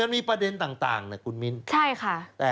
มีประเด็นต่างนะครับคุณมิ้นท์